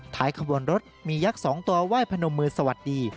ขบวนรถมียักษ์๒ตัวไหว้พนมมือสวัสดี